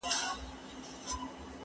کتابتوني کار د مور له خوا ترسره کيږي؟!